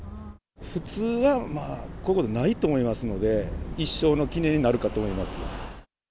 普通はまあ、こういうことないと思いますので、一生の記念になるかと思います。